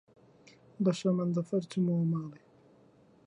بە شەمەندەفەر چوومەوە ماڵێ.